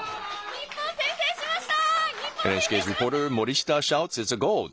日本、先制しました！